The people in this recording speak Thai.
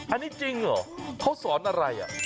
อันนี้จริงเหรอเขาสอนอะไร